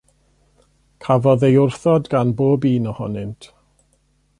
Cafodd ei wrthod gan bob un ohonynt.